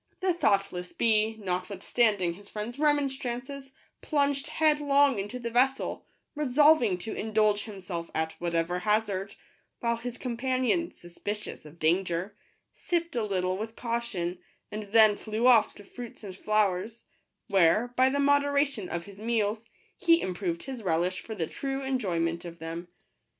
The thoughtless bee, notwithstanding his friend's remonstrances, plunged headlong into the vessel, resolving to indulge himself at whatever hazard ; while his companion, suspicious of danger, sipped a little with caution, and then flew off to fruits and flowers, where, by the moderation of his meals, he improved his relish for the true enjoy ment of them.